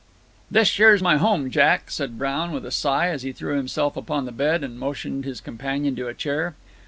"This yer's my home, Jack," said Brown, with a sigh, as he threw himself upon the bed, and motioned his companion to a chair.